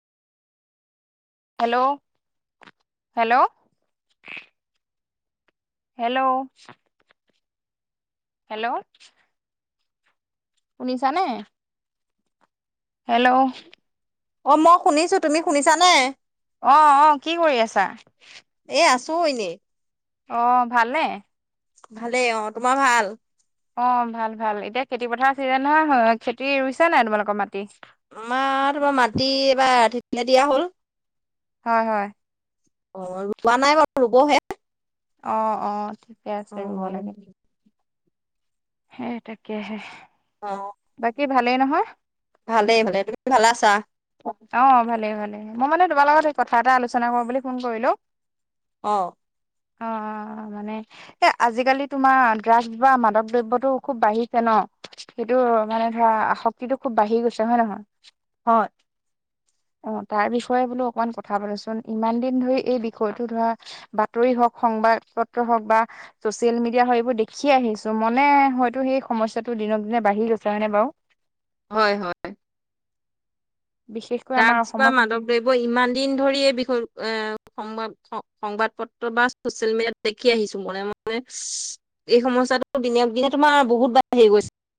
Hello hello hello hello শুনিছা নে? Hello অ মই শুনিছো। তুমি শুনিছানে? অ অ কি কৰি আছা? এ আছো এনেই। অ ভালনে? ভালেই অ। তোমাৰ ভাল? অ ভাল ভাল এতিয়া খেতি পথাৰৰ চিজন নহয় খেতি ৰুইছা নাই তোমালোকৰ মাটি? আমাৰ তোমাৰ মাটি এইবাৰ আধিতহে দিয়া হ'ল। হয়, হয়, অ ৰোৱা নাই বাৰু ৰুবহে। অ অ ঠিকে অ আছে ৰুব লাগে। সেই তাকেহে। অ, বাকী ভালেই নহয়? ভালেই ভালে তুমি ভালে আছা? অ ভালে ভালে মই মানে তোমাৰ লগত সেই কথা এটা আলোচনা কৰোঁ বুলি ফোন কৰিলোঁ। অ। অ মানে এ আজিকালি তোমাৰ ড্ৰাগছ বা মাদক দ্ৰব্যত টো খুব বাঢ়িছে ন সেইটো মানে ধৰা আ শক্তিটো খুব বাঢ়ি গৈছে হয় নহয়। হয় [unintelligible] অ তাৰ বিষয়ে বোলোঁ অকমান কথা পাতোচোন ইমান দিন ধৰি এই বিষয়টো ধৰা। বাতৰি হওঁক সংবাদ পত্ৰ হওঁক বা ছ'চিয়েল মিডিয়া এইবোৰ দেখিয়ে আহিছোঁ মনে। হয়তো সেই সমস্যাটো দিনক দিনে বাঢ়ি গৈছে হয় নে বাৰু। হয় হয়। বিশেষকৈ আমাৰ দাগচ বা অসমৰ মাদক দৈৱ ইমান দিন ধৰি এই বিষয় এ সংবাদ সংবাদ পত্ৰ বা। চচিয়েল মিডিয়াত দেখি আহিছোঁ মনে মনে এই সমস্যাটো দিনক দিনে তোমাৰ বহুত বাঢ়ি গৈছে।